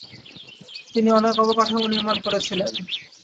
তিনি অনেক অবকাঠামো নির্মাণ করেছিলেন।